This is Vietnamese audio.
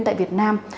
tại việt nam